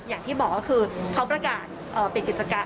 อย่างที่บอกก็คือเขาประกาศปิดกิจการ